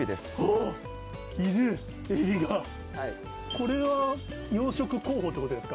これは養殖候補ってことです